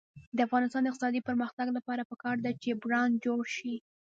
د افغانستان د اقتصادي پرمختګ لپاره پکار ده چې برانډ جوړ شي.